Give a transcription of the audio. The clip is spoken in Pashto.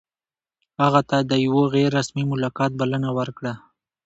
هغه ته د یوه غیر رسمي ملاقات بلنه ورکړه.